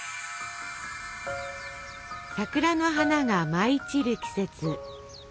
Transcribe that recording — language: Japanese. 桜の花が舞い散る季節。